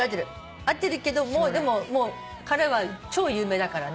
合ってるけどもでも彼は超有名だからね。